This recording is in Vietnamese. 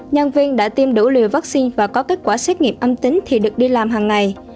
nhân viên đã tiêm đủ liều vaccine và có kết quả xét nghiệm âm tính thì được đi làm hàng ngày